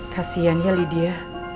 kasian ya lydia